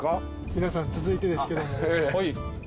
皆さん続いてですけども。